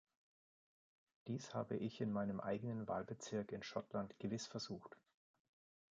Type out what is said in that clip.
Dies habe ich in meinem eigenen Wahlbezirk in Schottland gewiss versucht.